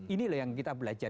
ini loh yang kita belajar